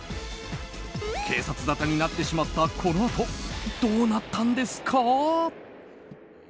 警察沙汰になってしまったこのあと、どうなったんですか？